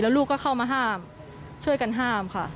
ลูกก็เข้ามาห้ามช่วยกันห้ามค่ะ